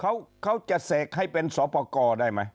แล้วเค้าจะเสกให้เป็นสพกได้ไหม